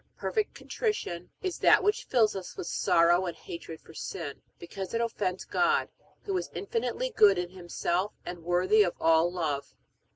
Perfect contrition is that which fills us with sorrow and hatred for sin, because it offends God, who is infinitely good in Himself and worthy of all love.